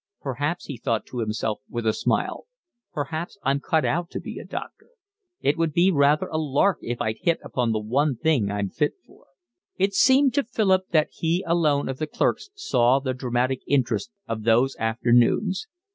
"Perhaps," he thought to himself, with a smile, "perhaps I'm cut out to be a doctor. It would be rather a lark if I'd hit upon the one thing I'm fit for." It seemed to Philip that he alone of the clerks saw the dramatic interest of those afternoons.